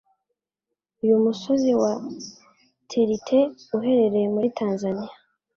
Uyu musozi wa terite uherereye muri Tanzaniya.